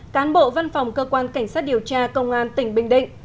cán bộ văn phòng cơ quan cảnh sát điều tra công an tỉnh bình định